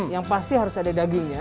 yang pasti harus ada dagingnya